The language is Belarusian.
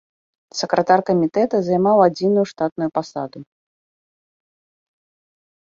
Сакратар камітэта займаў адзіную штатную пасаду.